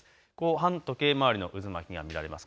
反時計回りの渦巻きが見られます。